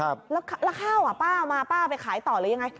แล้วข้าวอ่ะป้าเอามาป้าไปขายต่อหรือยังไง